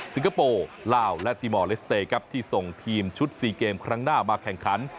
คโปร์ลาวและตีมอลเลสเตย์ครับที่ส่งทีมชุด๔เกมครั้งหน้ามาแข่งขัน